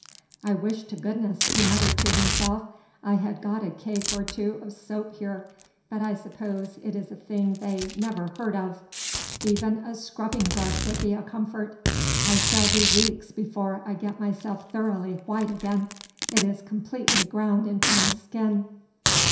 "I wish to goodness," he muttered to himself, "I had got a cake or two of soap here, but I suppose it is a thing that they never heard of; even a scrubbing brush would be a comfort. I shall be weeks before I get myself thoroughly white again; it is completely ground into my skin."